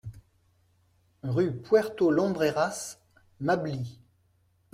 Rue Puerto Lumbreras, Mably